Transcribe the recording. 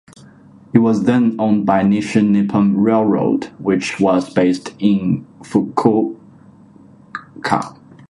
It was then owned by Nishi-Nippon Railroad, which was based in Fukuoka.